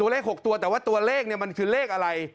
เลข๖ตัวแต่ว่าตัวเลขมันคือเลขอะไร